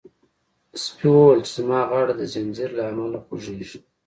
سپي وویل چې زما غاړه د زنځیر له امله خوږیږي.